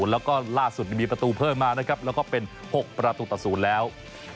แล้วก็ล่าสุดมีประตูเพิ่มมานะครับแล้วก็เป็น๖ประตูต่อ๐แล้ว